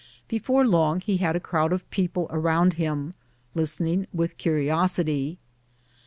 Before long he had a crowd of people around him, listening with curiosity.